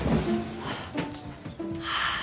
はあ。